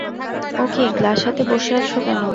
ও কি, গ্লাস হাতে বসে আছ কেন?